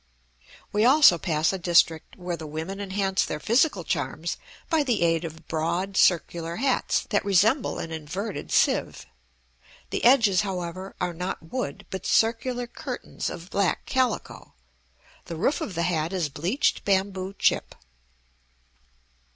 We also pass a district where the women enhance their physical charms by the aid of broad circular hats that resemble an inverted sieve. The edges, however, are not wood, but circular curtains of black calico; the roof of the hat is bleached bamboo chip.